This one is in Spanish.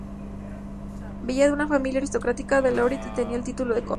Venía de una familia aristocrática del Loiret, y tenía el título de conde.